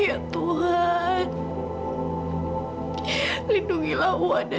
yang terbayang dengan noah ke toy ny ora